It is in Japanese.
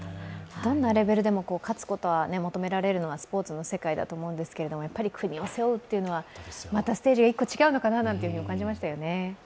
どんなレベルでも勝子とが求められるのがスポーツの世界だと思うんですけど国を背負うというのは、またステージが一個違うのかなと感じましたよね。